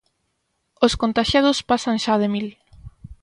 Os contaxiados pasan xa de mil.